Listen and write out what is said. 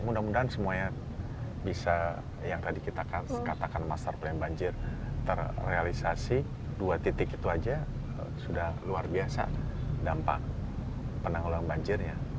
mudah mudahan semuanya bisa yang tadi kita katakan master plan banjir terrealisasi dua titik itu saja sudah luar biasa dampak penanggulan banjirnya